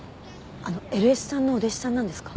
あのエルエスさんのお弟子さんなんですか？